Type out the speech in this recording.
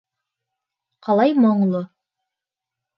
Ҡалай моңло.